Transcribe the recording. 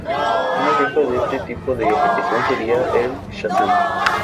Un ejemplo de este tipo de aplicación seria el "Shazam".